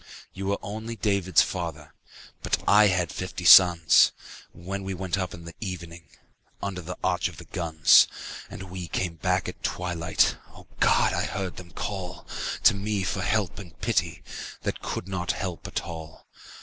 You were, only David's father, But I had fifty sons When we went up in the evening Under the arch of the guns, And we came back at twilight — O God ! I heard them call To me for help and pity That could not help at all.